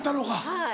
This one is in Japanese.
はい。